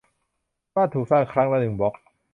บ้านถูกสร้างครั้งละหนึ่งบล๊อก